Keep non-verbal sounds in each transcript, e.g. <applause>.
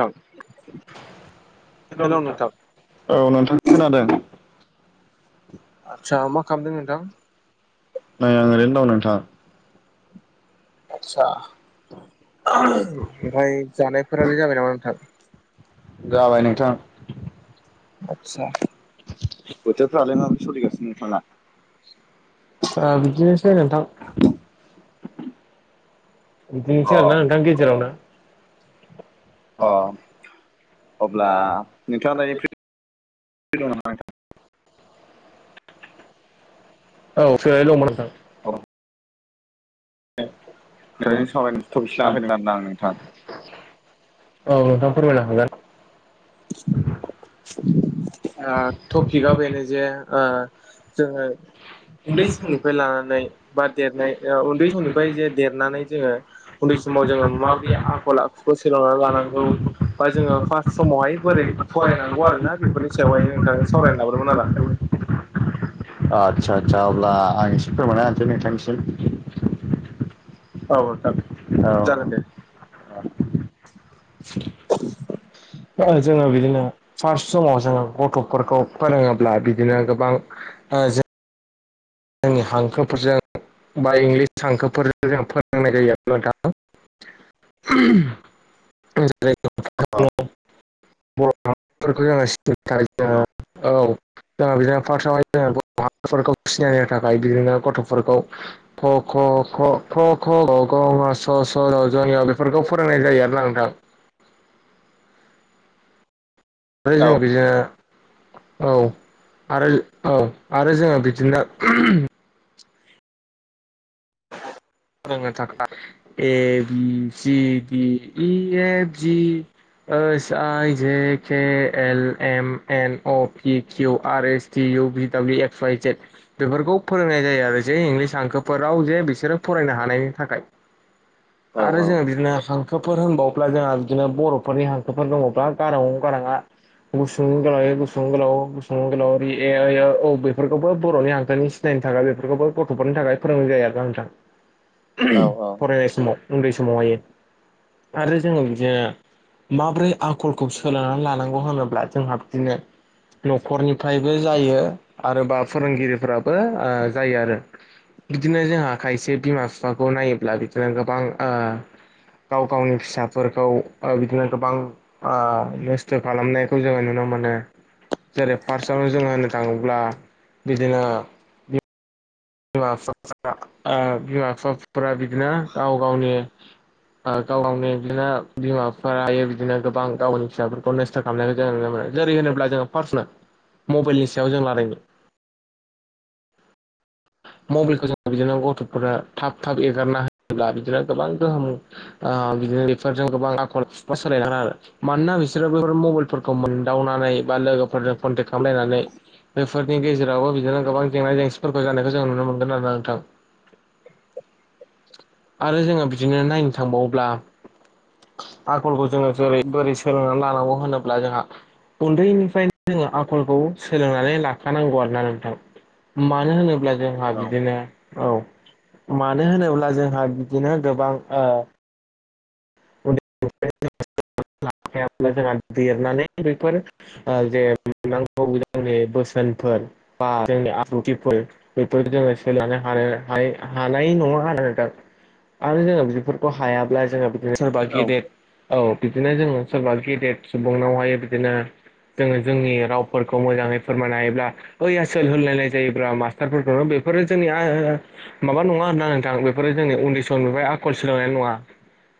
औ औ नोंथां खोनादों आदसा मा खालामदों नोंथां नै आं ओरैनों दं नोंथां आदसा ओमफ्राय जानायफोरालाय जाबाय नामा नोंथां जाबाय नोंथां आदसा बोथोरफ्रालाय माबोरै सोलिगासिनो नोंथाङा ओ बिदिनोसै नोंथां <inaudible> अ बिदिनोसै आरो ना नोंथां गेजेरावनो औ अ अब्ला नोंथाङा दायो फ्रि दं नामा। नोंथां? औ फ्रियालाय दंमोन नोंथां। नोंथांजों सावरायनो टपिकसो लाना फैदों आरोना आं नोंथां औ नोंथां फोरमायनो हागोन। <unintelligible> ओ टपिकआ बेनो जे ओ जोङो। उन्दै समनिफ्राय लानानै बा देरनाय। ओ उन्दै समनिफाय जे देरनानै जोङो। उन्दै समाव जोङो माबादि आखल आखुखौ सोलोंनानै लानांगौ। बा जोङो फास्ट समावहाय बोरै फरायनांगौ आरोना बेफोरनि सायावहाय नोंथांजों सावरायनो लाबोदोंमोन आरो आं। आदसा-आदसा अब्ला आं एसे फोरमायना होनसै नोंथांनिसिम। औ नोंथां जागोन दे। स <unintelligible> ओ जोङो बिदिनो फार्स्ट समाव जोङो गथ'फोरखौ। फोरोङोब्ला बिदिनो गोबां ओ जोंनि हांखोफोरजों बा इंलिस हांखोफोरजों फोरोंनाय जायो आरोना नोंथां। <unintelligible> जोङो सिनो थाखाय जो औ जोो बिदिनो फार्आवहाय जोङो बर' हफोरखौ <unintelligible> <inaudible> सिनायनो थाखाय बिदिनो गथ'फोरखौ। र' जनियाव बेफोरखौ फोरोंनाय जायो आरो लांदां <unintelligible> <inaudible> ओमफ्राय औ जों बेजों औ आरो औ आरो जोङो बिदिनो। फोरोंनो ए बि सि बि इ एप जि ओस I J K L M N O P Q R S T U V W X Y Z बेफोरखौ फोरोंनाय जायो आरो। जे इंलिस हांखोफोराव जे बिसोरो फरायनो हानायनि थाखाय। <unintelligible> आरो जोङो बिदिनो हांखोफोर होनबावब्ला जोंहा बिदिनो बर'फोरनि हांखोफोर दङब्ला। अ आ गुसुं गोलावै गुसुं गोलाव गुसुं गोलावि इ ऐ ओऔ बेफोरखौबो बर'नि हांखोनि सिनायनो थाखाय बेफोरखौबो गथ'फोरनि थाखाय फोरोंनाय जायो आरोना नोंथां। औ फरायनाय समाव उन्दै समावहाय आरो जोङो बिदिनो। माबोरै आखलखौ सोलोंनानै लानांगौ होनोब्ला जोंहा बिदिनो। न'खरनिफ्रायबो जायो आरो बा फोरोंगिरिफ्राबो ओ जायो आरो। बिदिनो जोंहा खायसे बिमा फिफाखौ नायोब्ला बिदिनो गोबां आ गाव गावनि फिसाफोर। औ ओ बिदिनो गोबां नस्थ' खालामनायखौ जोङो नुनो मोनो। जेरै फार्स्टआवनो जोङो होननो थाङोब्ला बिदिनो बिमा -फिफाफ्रा ओ बिमा फिफाफोरा बिदिनो गाव गावनि गाव गावनो बिदिनो बिमा बिफा थायो बिदिनो गोबां गावनि फिसाफोरखौ न खालामनायखौ जों नुनो मोनो। जेरै होनोब्ला जों फार्टनो मबाइलनि सायाव जों रालायनि मबाइलखौ जोङो बिदिनो गथ'फोरा थाब थाब एगारना होयोब्ला बिदिनो गोबां गोहोम ओ बिदिनो बेफोरजों गोबां आखल खिखल सोलाय गोन आरो। मानोना बिसोरो बैफोर मबाइलफोरखौ मोनदावनानै। बा लोगोफोरनो कनथेक्ट खालामनानै बेफोरनि गेजेरावबो बिदिनो गोबां जेंना जेंसि फोर जानायखौ जों नुनो मोनगोन आरोना नोंथां। आरो जोङो बिदिनो नायनो थांबावोब्ला आखलखौ जोङो जेरै बोरै सोलोंनानै लानांगौ होनोब्ला जोंहा उन्दैनिफ्रायनो जोङो आखलखौ सोलोंनानै लाखानांगौ आरोना नोंथां। मानो होनोब्ला जोंहा औ बिदिनो औ। मानो होनोब्ला जोंहा बिदिनो गोबां ओ <unintelligible> जनानै बेफोर <unintelligible> <unintelligible> नांगौ जोंनि बोसोनफोर बा जोंनि आखुथिफोर <unintelligible> आरो जोङो बेफोरखौ हायाब्ला जोङो बिदिनो सोरबा गेदेर औ बिदिनो जोङो सोरबा गिदेर सुबुंनावहाय बिदिनो जोङो जोंनि रावफोरखौ मोजाङै फोरमायनो हायोब्ला ओइ आसोल होनलायलायजायोब्रा मास्टारफोरखौनो बेफोरो जोंनि <unintelligible> माबा नङा आरोना नोंथां बेफोरो जोंनि उन्दै समनिफ्राय आखल सोलोंनाय नङा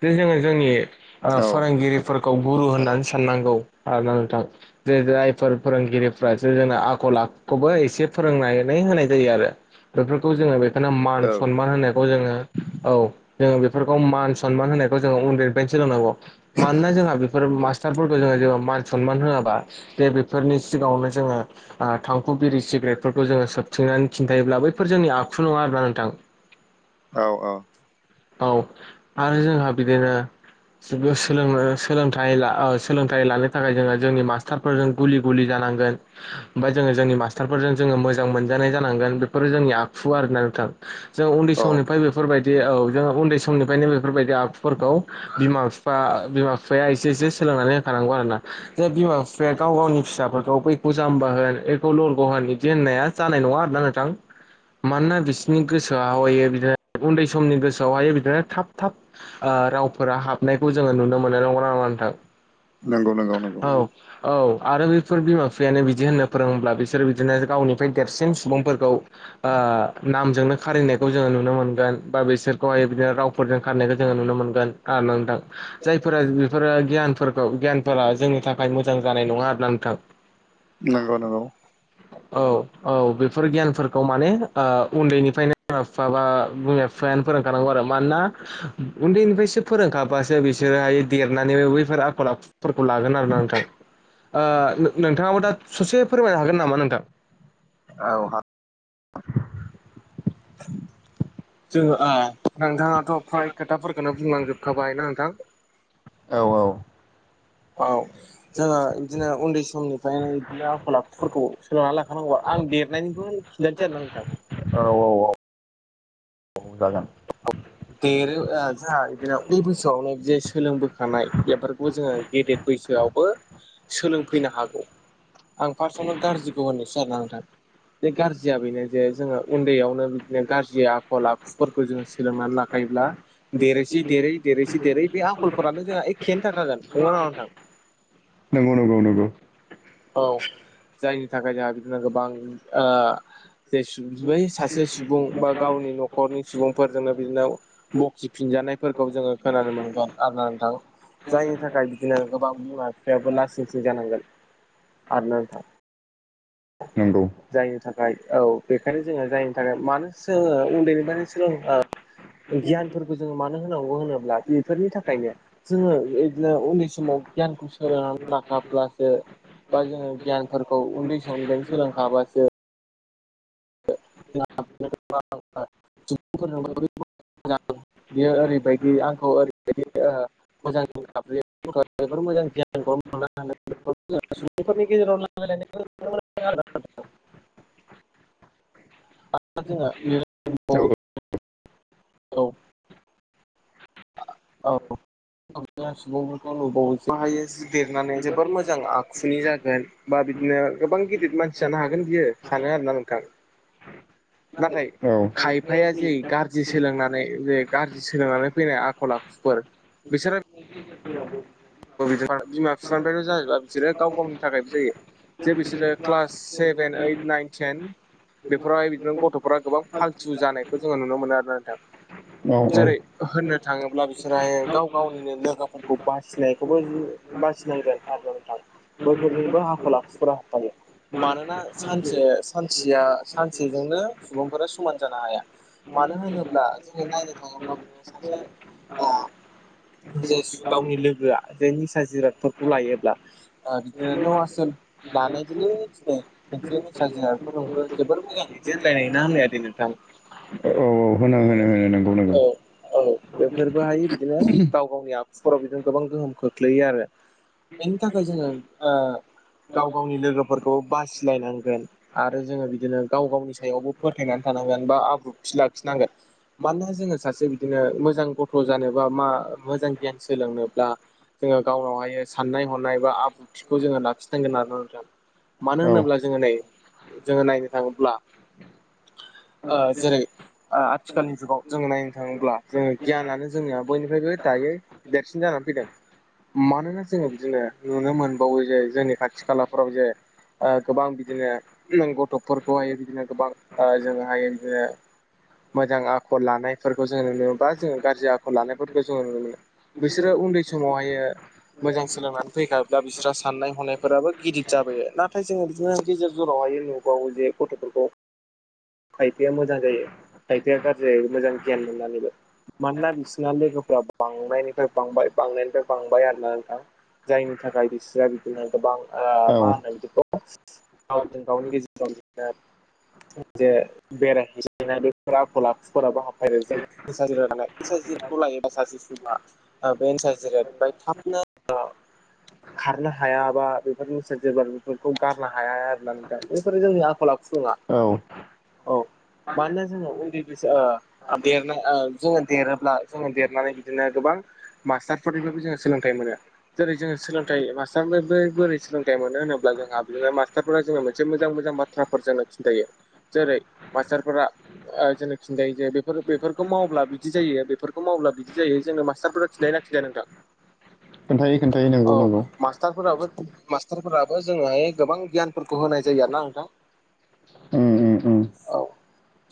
जे जोङो जोंनि ओ फोरोंगिरिफोरखौ गुरु होननानै साननांगौ आरो ना नोंथां जे जायफोर फोरोंगिरिफ्रासो जोंना आखल आखुखौबो एसे फोरोंनानै होनाय जायो आरो बेफोरखौ जोङो बेखौनो मान सनमान होनायखौ जोङो औ जोङो बेफोरखौ मान सनमान होनायखौ जोङो उन्दैफ्रायनो सोलोंनांगौ मानोना जोंहा बेफोर मास्टारफोरखौ जोङो जे मान सनमान होआबा जे बेफोरनि सिगाङावनो जोङो आ थांखु बिरि सिग्रेटफोरखौ जोङो सोबथिंनानै खिन्थायोब्ला बैफोर जोंनि आखु नङा आरोना नोंथां औ औ औ औ आरो जोंहा बिदिनो <unintelligible> सोलों सोलोंथाइ ला ओ सोलोंथाइ लानो थाखाय जोङो जोंनि मास्टारफोरजों गुलि गुलि जानांगोन ओमफ्राय जोङो जोंनि मास्टारफोरजों जोङो मोजां मोनजानाय जानांगोन बेफोरो जोंनि आखुआ आरोना नोंथां जों उन्दै औ समनिफ्राय बेफोरबायदि औ जोङो उन्दै समनिफ्रायनो बेफोरबायदि आखुफोरखौ बिमा फि बा बिमा बिफाया एसे एसे सोलोंनानै होखानांगौ आरो ना जे बिमा बिफाया गाव गावनि फिसाफोरखौ ऐखौ जाम्बा होन ऐखौ लरग होन इदि होननाया जानाय नङा आरोना नोंथां मानोना बिसोरनि गोसोआव हायो बिदिनो उन्दै समनि गोसोआवहायो बिदिनो थाब थाब ओ रावफोरा हाबनायखौ जोङो नुनो मोननाय नंगौना नङा नोंथां नोंगौ नोंगौ नोंगौ औ औ आरो बेफोर बिमा बिफायानो बिदि होननो फोरोंङोब्ला बिसोरो बिदिनो गावनिफ्राय देरसिन सुबुंफोरखौ ओ नामजोंनो खारिनायखौ जोङो नुनो मोनगोन बा बिसोरखौहाय बिदिनो राव <unintelligible> खारनायखौ जोङो नुनो मोनगोन <unintelligible> जायफोरा बेफोरो गियानफोरखौ गियानफोरा जोंनि थाखाय मोजां जानाय नङा आरोना नोंथां नोंगौ नोंगौ औ औ बिफोर गियानफोरखौ माने ओ उन्दैनिफ्रायनो माबा बिमा बिफायानो फोरोंखानांगौ आरो मानोना उन्दैनिफ्रायसो फोरोंखा बासो बिसोरोहाय देरनानैबो बैफोर आखल आखुफोरखौ लागोन आरो ना नोंथां ओ नोंथाङाबो दा ससे फोरमायनो हागोन नामा नोंथां औहा जोङो आ नोंथाङाथ' फ्राय खोथाफोरखौनो बुंलांजोबखाबाय ना नोंथां औ औ औ जोङो इदिनो उन्दै समनिफ्रायनो इदिनो आखल आखुफोरखौ सोलोंना लाख खानांगौ आं देरनायनिखौ खिन्थानोसै आरो ना नोंथां औ औ औ जागोन देरो ओ जों उन्दै बोसोआवनो जि सोलोंबोखानाय बेफोरखौ जोङो गेदेर बैसोआवबो सोलोंफैनो हागौ आं पार्सनल गारजिखौ होननोसै आरोना नोंथां बे गारजिया बेनो जे जोङो उन्दैयावनो बिदिनो गारजि आखल आखुफोरखौ जोङो सोलोंनानै लाख खायोब्ला देरैसि देरै देरैसि देरै बे आखलफोरानो जोंहा एखेयानो थाखागोन नंगौ ना नङा नोंथां नोंगौ नोंगौ नोंगौ औ जायनि थाखाय जोंहा बिदिनो गोबां ओ जे सु बै सासे सुबुं बा गावनि न'खरनि सुबुंफोर जोंनो बिदिनो बखि फिनजानायफोरखौ जोङो खोनानो मोनगोन आरोना नोंथां। जायनि थाखाय बिदिनो गोबां बिमा बिफायाबो लासिंसिं जानांगोन। आरो ना नोंथां। नंगौ। जायनि थाखाय औ बेखायनो जोङो जायनि थाखाय मानो सोङो उन्दैनिफ्रायनो सोलों ओ गियानफोरखौ जोङो मानो होनांगौ होनोब्ला बेफोरनि थाखायनो। जोङो बिदिनो उन्दै समाव गियानखौ सोलोंना लाखाब्लासो बा जोङो गियानफोरखौ उन्दै समनिफ्राइनो सोलोंखाब्लासो। <inaudible> <unintelligible> सुबुंफोयजोंबो <unintelligible> बेयो ओरैबाय दि आंखौ ओरैबायदि ओ मोजां <unintelligible> बेफोर मोजां गियानखौ <unintelligible> <unintelligible> सुबुंफोरनि गेजेराव नांलायलायनाय <unintelligible> <unintelligible> जोङो <unintelligible> <inaudible> औ। बिदिनो सुबुंफोरखौ नुबावो। <unintelligible> हायो जि देरनानै जोबोर मोजां आखुनि जागोन बा बिदिनो गोबां गिदिर मानसि जानो हागोन बियो सानो आरो ना नोंथां। नाथाय औ खायफाया जेरै गाज्रि सोलोंनानै जे गाज्रि सोलोंनानै फैनाय आखल आखुफोर। बिसोरो <unintelligible> <unintelligible> बिमा बिफानिफ्रायल' जाजोबा बिसोरो गाव गावनि थाखायबो जायो। जे बिसोरो क्लास सेभेन ओइद नाइन टेन बेफोरावहाय बिदिनो गथ'फोरारा गोबां फाल्थु जानायखौ जोङो नुनो मोनो आरो नोंथां। औ जेरै होननो थाङोब्ला बिसोर गाव गावनिनो लोगोफोरखौ बासि <unintelligible> नायखौबो बासिनांगोन आरो नोंथां बैफोरजोंबो आखल आखुफ्रा हाबफायो। मानोना सानसे सानसेया सानसेजोंनो सुबुंफोरा समान जानो हाया। मानो होनोब्ला जोङो नायनो थाङोब्ला बिदिनो सासे औ। जे सु गावनि लोगोआ जे निसा जिरादफोरखौ लायोब्ला। आ बिदिनो न' आसोल लालायदोलै दिनै। खोनसेया निसा बेफोरजोंबो जोबोर मोजां बिदि होनलाय लायोना लाया दे नोंथां? ओ औ होनो होनो होनो नोंगौ औ नोंगौ। औ बेफोरबोहाय बिदिनो गाव गावनि आखुफोराव बिदिनो गोबां गोहोम खोख्लैयो आरो। बेनि थाखाय जोङो ओ गाव गावनि लोगोफोरखौ बासिलायनांगोन। आरो जोङो बिदिनो गाव गावनि सायावबो फोथायनानै थानांगोन बा आब्रुथि लाखिनांगोन। मानोना जोङो सासे बिदिनो मोजां गथ' जानोबा मा मोजां गियान सोलोंनो ब्ला जोङो गावनावहायो साननाय हनाय बा आब्रुथिखौ जोङो लाखिनांगोन आरोना नोंथां। मानो औ होनोब्ला जोङो नै जोङो नायनो थाङोब्ला। आ जेरै आ-आथिखालनि जुगाव जोङो नायनो थाङोब्ला जोङो गियानानो जोंनिया बयनिफ्रायबो दायो। देरसिन जानान फैदों मानोना जोङो बिदिनो नुनो मोनबावो जे जोंनि खाथि खालाफोराव जे ओ गोबां बिदिनो नों गथ'फोरखौहाय बिदिनो गोबां ओ जोङोहाय बिदिनो। मोजां आखल लानायफोरखौ जोङो नुनो मोनो बा जोङो गाज्रि आखल लानायफोरखौ जोङो नुनो मोनो। बिसोरो उन्दै समावहायो मोजां सोलोंनानै फैखाब्ला बिस्रा साननाय हनायफोराबो गिदिर जाबयो नाथाय जोङो बिदिनो गेजेर जरावहाय नु बावो जे गथ'फोरखौ खायफाया मोजां जायो खायफाया गाज्रि जायो मोजां गियान मोननानैबो। मानोना बिसिना लोगोफोरा बांनायनिफ्राय बांबाय। बांनायनिफ्राय बांबाय आरो ना नोंथां जायनि थाखाय बिसोरा बिदिनो गोबां औ मा होनो बिदिखौ। गावजों गावनि गेजेराव बि जे। बेरायहैसिनाय बेफोर आखल आखुफोराबो हाबफायनाय जायो। इिसाजताय इिसाजतखौ लायोबा सासे सुबुंआ। बेनसार जिराद फ्राय थाबनो। खारनो हाया बा बेफोरनि स बेफोरखौ गारनो हाया आर ना दा बेफोरो जोंनि आखल आखु नंआ <unintelligible> औ। औ मानोना जोङो उन्दै बैसो। देरना ओ जोङो देरोब्ला जोङो देरनानै बिदिनो गोबां। मास्टारफोरनिफ्रायबो जोङो सोलोंथाइ मोनो। जेरै जोङो सोलोंथाइ मास्टारनि बोरै सोलोंथाइ मोनो होनोब्ला जोंहा बिदिनो मास्टारफोरा जो मोनसे मोजां मोजां बाथ -थ्राफोर जोंनो खिन्थायो जेरै मास्टारफोरा जोङो खिन्थायो जे जायो बेफोर बेफोरखौ मावब्ला बिदि जायो बेफोरखौ मावब्ला बिदि जायो जोङो मास्टार खिनथायोना खिनथाया नोंथां खोन्थायो खोन्थायो नंगौ औ नंगौ मा- -स्टारफोराबो मास्टारफोराबो जोंनोहाय गोबां गियानफोरखौ होनाय जायो आरोना नोंथां उम उम उम औ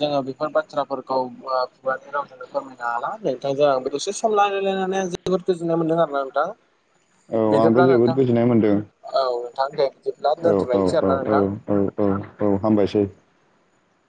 जोङो बेफोर बाथ्राफोरखौ खुगानि रावजोंनो फोरमायनो हाला नोंथां जों दसे सम लायरायलायनानै जोबोद गोजोननाय मोन्दों आरो ना नोंथां औ आंबो बिदिब्ला जोबोद नोंथां गोजोननाय मोनदों औ नोंथां दे बिदिब्ला औ दोनथ'लायनोसै आरो औ ना औ नोंथां औ औ हामबायसै